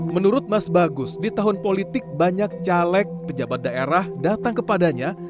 menurut mas bagus di tahun politik banyak caleg pejabat daerah datang kepadanya